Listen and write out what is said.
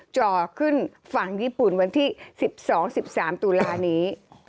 จ่อขึ้นฝั่งญี่ปุ่นวันที่๑๒๑๓ตุลานี้